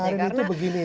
kemarin itu begini